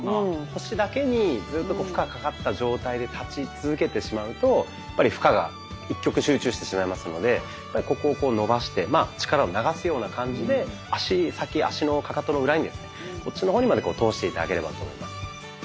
腰だけにずっと負荷がかかった状態で立ち続けてしまうとやっぱり負荷が一極集中してしまいますのでここをこう伸ばして力を流すような感じで足先足のカカトの裏にですねこっちの方にまで通して頂ければと思います。